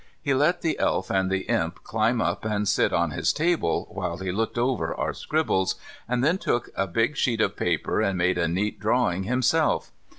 He let the Elf and the Imp climb up and sit on his table, while he looked over our scribbles, and then took a big sheet of paper and made a neat drawing himself.